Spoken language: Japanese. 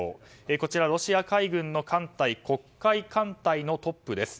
こちらロシア海軍の艦隊黒海艦隊のトップです。